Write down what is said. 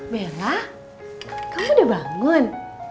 bella kamu udah bangun